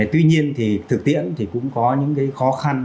tuy nhiên thực tiễn cũng có những khó khăn